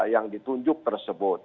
yang ditunjuk tersebut